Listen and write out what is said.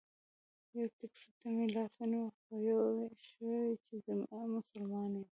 یوه ټیکسي ته مې لاس ونیو خو پوی شو چې زه مسلمان یم.